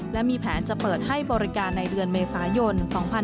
และมีแผนจะเปิดให้บริการในเดือนเมษายน๒๕๖๒